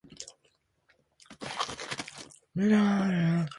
川西の五条あたりに住んでいたことがあるということを知ったり、